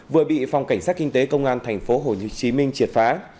vừa bị phòng cảnh sát kinh tế công an tp hồ chí minh triệt phá